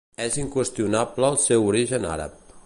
És inqüestionable el seu origen àrab.